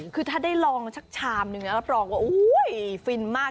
คือถ้าได้ลองสักชามนึงรับรองว่าฟินมาก